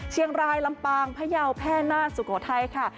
เชียงรายลำปางพยาวแพร่นาศสุโขทัยค่ะ